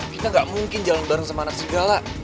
kita nggak mungkin jalan bareng sama anak serigala